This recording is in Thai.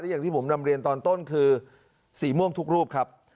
อย่างที่ผมนำเรียนตอนต้นคือสีม่วงทุกรูปครับ